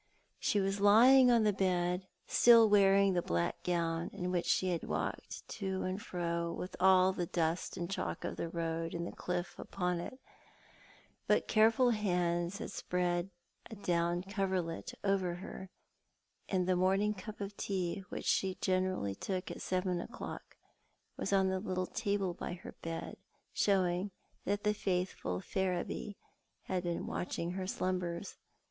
She was lying on the bed, still wearing the black gown in which she had walked to and fro, with all the dust and chalk of the road and the cliflf upon it ; but careful hands had spread a down coverlet over her, and the morning cup of tea which she generally took at seven o'clock was on the little table by her bed, showing that the faithful Ferriby had been watching her slumbers.